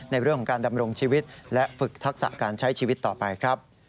ในเรื่องของการดำรงชีวิตและฝึกทักษะการใช้ชีวิตต่อไปครับ